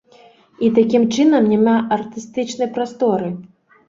І такім чынам няма артыстычнай прасторы.